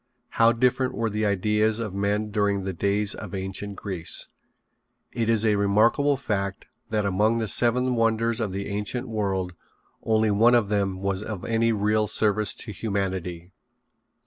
How different were the ideas of men during the days of ancient Greece. It is a remarkable fact that among the seven wonders of the ancient world only one of them was of any real service to humanity.